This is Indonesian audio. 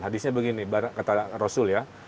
hadisnya begini kata rasul ya